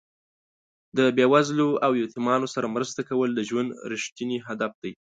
د بې وزلو او یتیمانو سره مرسته کول د ژوند رښتیني هدف دی.